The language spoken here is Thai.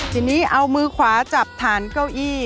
ทีนี้เอามือขวาจับฐานเก้าอี้